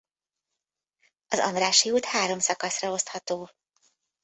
Az Andrássy út három szakaszra osztható.